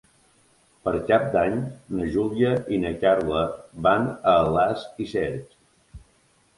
Per Cap d'Any na Júlia i na Carla van a Alàs i Cerc.